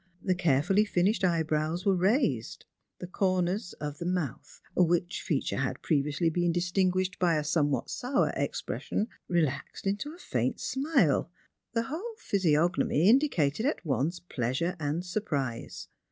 The carefully finished eyebrows were raised ; the corners of the mouth, which feature had previously been distinguished by a Bomewhat sour expression, relaxed into a faint smile ; the whole physiognomy indicated at once pleasure and surprise.